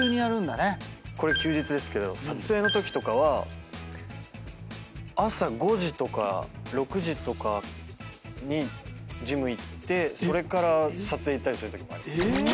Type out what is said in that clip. これ休日ですけど撮影のときとかは朝５時とか６時とかにジム行ってそれから撮影行ったりするときもあります。